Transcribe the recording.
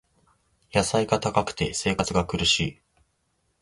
野菜が高くて生活が苦しい